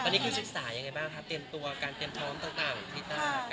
ตอนนี้คุณศึกษายังไงบ้างคะการเตรียมพร้อมต่างที่ท่านการควบคุม